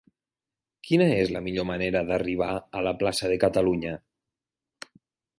Quina és la millor manera d'arribar a la plaça de Catalunya?